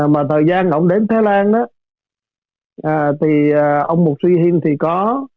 mà thời gian ông đến thái lan thì ông mục sư hiên thì có